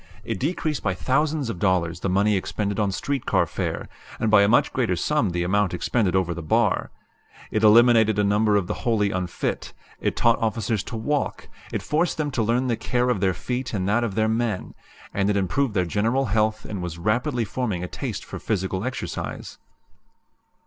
It decreased by thousands of dollars the money expended on street car fare, and by a much greater sum the amount expended over the bar. It eliminated a number of the wholly unfit; it taught officers to walk; it forced them to learn the care of their feet and that of their men; and it improved their general health and was rapidly forming a taste for physical exercise."